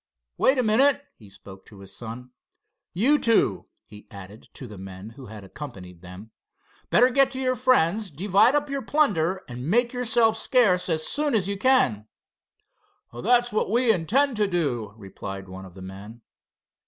"Wait a minute," he spoke to his son. "You two," he added to the men who had accompanied them, "better get to your friends, divide up your plunder and make yourselves scarce as soon as you can." "That's what we intend to do," replied one of the men.